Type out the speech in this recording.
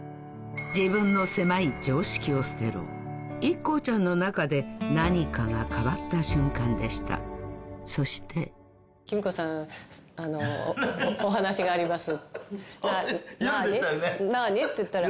自分の狭い常識を捨てろＩＫＫＯちゃんの中で何かが変わった瞬間でしたそしてなぁに？って言ったら。